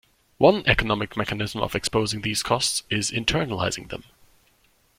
One economic mechanism of exposing these costs is internalizing them.